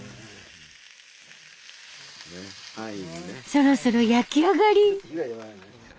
そろそろ焼き上がり。